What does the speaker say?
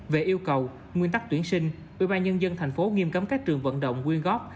về yêu cầu nguyên tắc tuyển sinh ubnd tp nghiêm cấm các trường vận động quyên góp